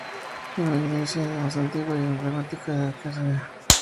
Es la iglesia más antigua y emblemática de Aracena.